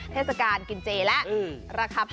เทศกาลกินเจและราคาผัก